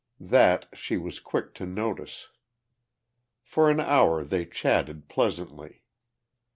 That she was quick to notice. For an hour they chatted pleasantly.